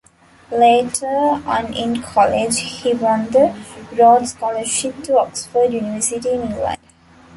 Later on in college he won the Rhodes scholarship to Oxford University, in England.